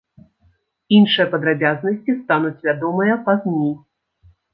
Іншыя падрабязнасці стануць вядомыя пазней.